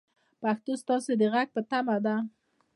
پښتو ستاسو د غږ په تمه ده.